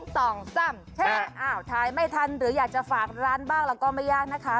ใช่อ้าวถ่ายไม่ทันหรืออยากจะฝากร้านบ้างแล้วก็ไม่ยากนะคะ